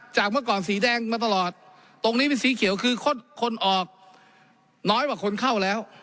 เมื่อก่อนสีแดงมาตลอดตรงนี้เป็นสีเขียวคือคนออกน้อยกว่าคนเข้าแล้ว